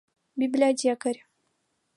БИБЛИОТЕКАРЬ